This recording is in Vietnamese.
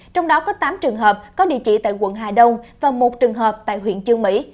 trong đó có tám trường hợp có địa chỉ tại quận hà đông và một trường hợp tại huyện trương mỹ